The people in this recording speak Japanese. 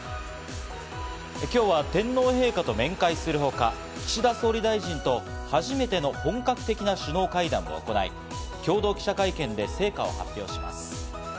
今日は天皇陛下と面会するほか、岸田総理大臣と初めての本格的な首脳会談を行い、共同記者会見で成果を発表します。